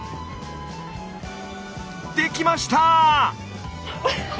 できました！